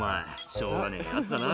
「しょうがねえヤツだな」